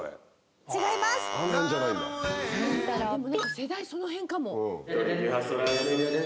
世代その辺かも。